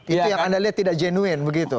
itu yang anda lihat tidak jenuin begitu